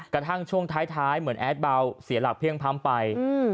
กระทั่งช่วงท้ายเหมือนแอดเบาเสียหลักเพลี่ยงพร้ำไป